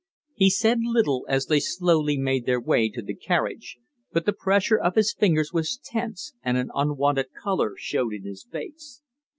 He said little as they slowly made their way to the carriage, but the pressure of his fingers was tense and an unwonted color showed in his face.